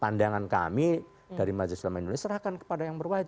pandangan kami dari majelis selama indonesia serahkan kepada yang berwajib